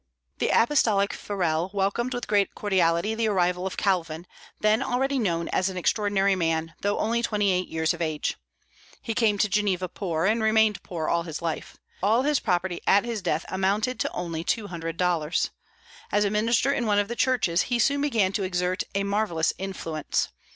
The apostolic Farel welcomed with great cordiality the arrival of Calvin, then already known as an extraordinary man, though only twenty eight years of age. He came to Geneva poor, and remained poor all his life. All his property at his death amounted to only two hundred dollars. As a minister in one of the churches, he soon began to exert a marvellous influence.